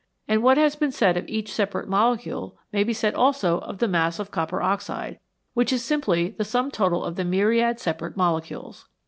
And what has been said of each separate molecule may be said also of the mass of copper oxide, which is simply the sum total of the myriad separate molecules.